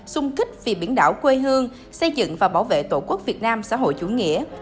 xung kích vì biển đảo quê hương xây dựng và bảo vệ tổ quốc việt nam xã hội chủ nghĩa